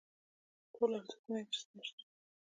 ټول ارزښتونه یې درسره مشترک دي.